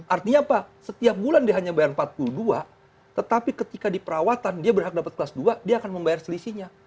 artinya apa setiap bulan dia hanya bayar empat puluh dua tetapi ketika di perawatan dia berhak dapat kelas dua dia akan membayar selisihnya